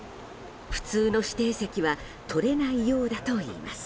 普通の指定席は取れないようだといいます。